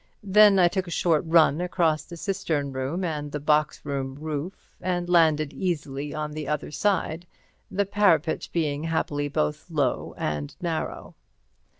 Then I took a short run across the cistern room and the box room roof, and landed easily on the other side, the parapet being happily both low and narrow.